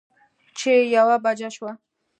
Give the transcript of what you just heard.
چې يوه بجه شوه